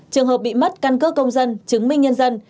trường hợp bị mất căn cước công dân chứng minh nhân dân